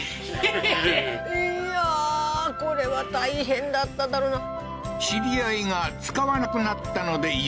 これは大変だっただろうな